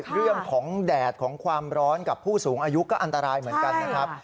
เรื่องของแดดของความร้อนกับผู้สูงอายุก็อันตรายเหมือนกันนะครับ